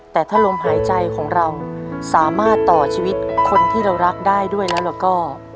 แต่ถ้าลมหายใจของเราสามารถต่อชีวิตคนที่เรารักได้ด้วยแล้วก็